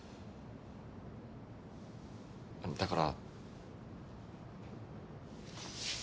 だから。